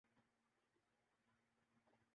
ملک میں بیروزگاری اور مفلسی کا دور دورہ ہو